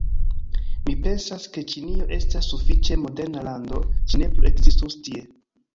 Mi pensas ke Ĉinio estas sufiĉe moderna lando, ĝi ne plu ekzistus tie.